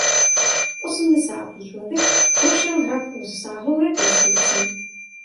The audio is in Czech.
V osmdesátých letech prošel hrad rozsáhlou rekonstrukcí.